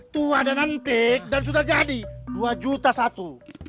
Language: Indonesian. tua dan nanti dan sudah jadi dua juta satu